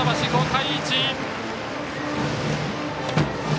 ５対１！